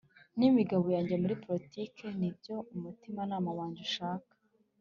n'imigabo yanjye muri politiki n'ibyo umutimanama wanjye ushaka.